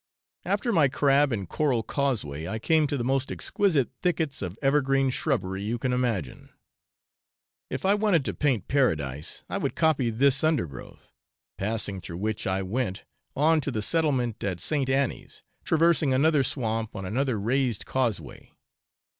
After my crab and coral causeway I came to the most exquisite thickets of evergreen shrubbery you can imagine. If I wanted to paint paradise I would copy this undergrowth, passing through which I went on to the settlement at St. Annie's, traversing another swamp on another raised causeway.